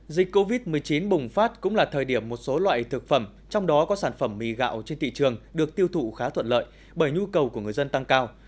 dịch covid một mươi chín bùng phát cũng là thời điểm một số loại thực phẩm trong đó có sản phẩm mì gạo trên thị trường được tiêu thụ khá thuận lợi bởi nhu cầu của người dân tăng cao